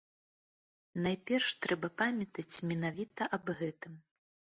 Найперш трэба памятаць менавіта аб гэтым.